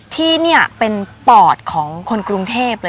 ที่นี่เป็นปอดของคนกรุงเทพเลย